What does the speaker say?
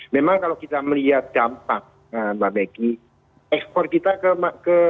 memang kalau kita melihat dampak mbak beki ekspor kita ke